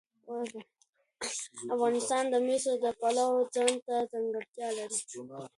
افغانستان د مس د پلوه ځانته ځانګړتیا لري.